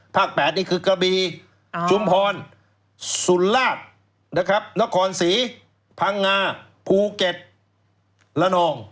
ภาค๘นี่คือกะบีจุมพรสุรราชนครศรีพังงาภูเก็ตละนอง